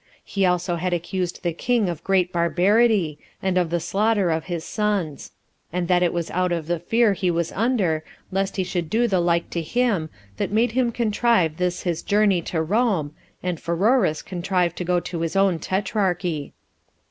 He also had accused the king of great barbarity, and of the slaughter of his sons; and that it was out of the fear he was under, lest he should do the like to him, that made him contrive this his journey to Rome, and Pheroras contrive to go to his own tetrarchy.